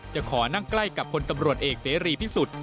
จะขอนั่งใกล้กับคนตำรวจเอกเสรีพิสุทธิ์